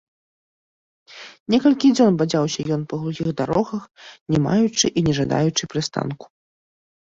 Некалькі дзён бадзяўся ён па глухіх дарогах, не маючы і не жадаючы прыстанку.